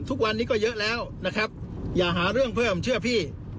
ทุกวันนี้ก็เยอะแล้วนะครับอย่าหาเรื่องเพิ่มเชื่อพี่